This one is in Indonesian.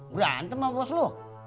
berantem sama bos lu